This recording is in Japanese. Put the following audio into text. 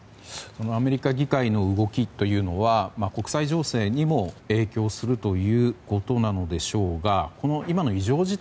アメリカ議会の動きというのは国際情勢にも影響するということなのでしょうがこの今の異常事態